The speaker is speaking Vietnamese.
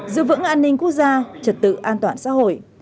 giữ vững an ninh quốc gia trật tự an toàn xã hội